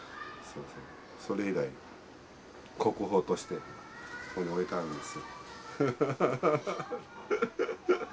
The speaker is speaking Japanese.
それ以来国宝としてここに置いてあるんです。